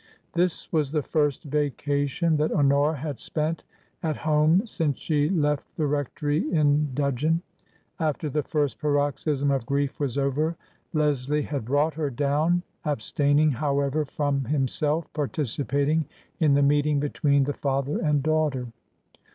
This was the first vacation that Honora had spent at home since she left the rectory in dudgeon. After the first paroxysm of grief was over Leslie had brought her down, abstaining, however, from himself participating in the meeting between the father and daughter.